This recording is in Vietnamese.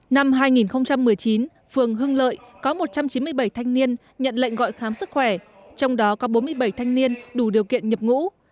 năm hai nghìn một mươi chín phường hưng lợi có một trăm chín mươi bảy thanh niên nhận lệnh gọi khám sức khỏe trong đó có bốn mươi bảy thanh niên đủ điều kiện nhập ngũ